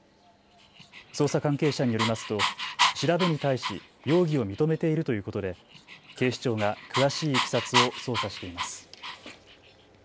捜査関係者によりますと調べに対し容疑を認めているということで警視庁が詳しいいきさつを捜査しています。